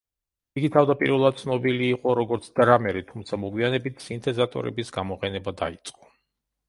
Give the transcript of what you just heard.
იგი თავდაპირველად ცნობილი იყო, როგორც დრამერი, თუმცა მოგვიანებით სინთეზატორების გამოყენება დაიწყო.